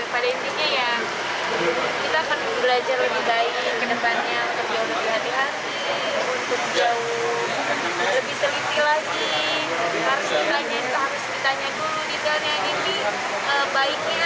terus kita juga ada dampak apa